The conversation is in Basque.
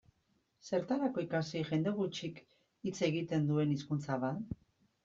Zertarako ikasi jende gutxik hitz egiten duen hizkuntza bat?